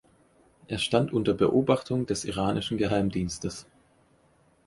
Er stand unter Beobachtung des iranischen Geheimdienstes.